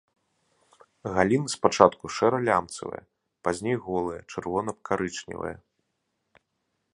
Галіны спачатку шэра-лямцавыя, пазней голыя, чырвона-карычневыя.